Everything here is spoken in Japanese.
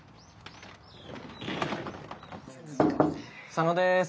・佐野です。